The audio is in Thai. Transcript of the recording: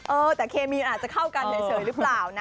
เออแต่เคมีมันอาจจะเข้ากันเฉยหรือเปล่านะ